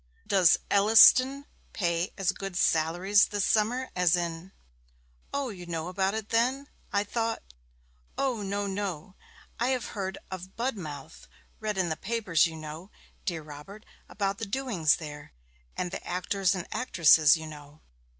'Does Elliston pay as good salaries this summer as in ?' 'O, you know about it then? I thought ' 'O no, no! I have heard of Budmouth read in the papers, you know, dear Robert, about the doings there, and the actors and actresses, you know.'